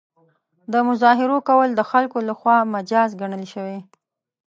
د مظاهرو کول د خلکو له خوا مجاز ګڼل شوي.